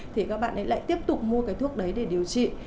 thì các bạn ấy lại tiếp tục mua cái thuốc đấy để điều trị